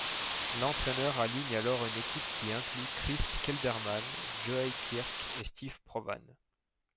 L'entraîneur aligne alors une équipe qui inclut Kris Kelderman, Joey Kirk et Steve Provan.